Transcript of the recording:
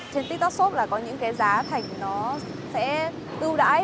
trên tiktok shop là có những cái giá thành nó sẽ ưu đãi